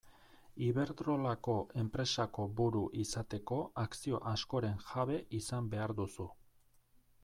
Iberdrolako enpresako buru izateko akzio askoren jabe izan behar duzu.